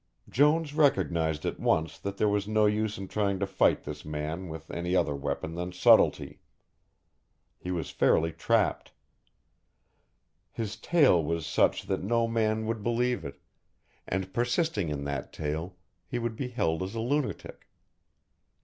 Jones recognized at once that there was no use in trying to fight this man with any other weapon than subtlety. He was fairly trapped. His tale was such that no man would believe it, and, persisting in that tale, he would be held as a lunatic.